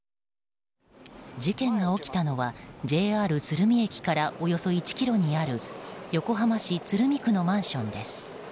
事件が起きたのはＪＲ鶴見駅からおよそ１ｋｍにある横浜市鶴見区のマンションです。